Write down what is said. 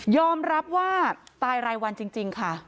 อมรับว่าตายรายวันจริงค่ะ